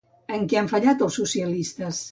En què han fallat els socialistes?